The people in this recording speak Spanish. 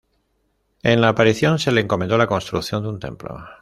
En la aparición se le encomendó la construcción de un templo.